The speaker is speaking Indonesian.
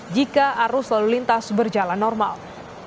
jika arus lalu lintas berjalan normal